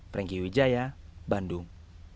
franky widjaya bandung